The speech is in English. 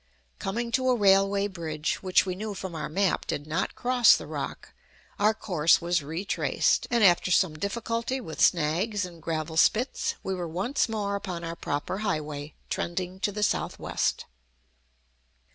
Coming to a railway bridge, which we knew from our map did not cross the Rock, our course was retraced, and after some difficulty with snags and gravel spits, we were once more upon our proper highway, trending to the southwest.